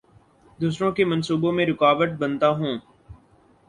دوسروں کے منصوبوں میں رکاوٹ بنتا ہوں